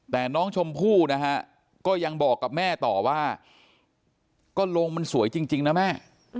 แต่น้องชมพู่นะฮะก็ยังบอกกับแม่ต่อว่าก็โรงมันสวยจริงนะแม่